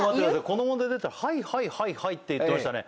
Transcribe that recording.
この問題出たら「はいはいはいはい」って言ってましたね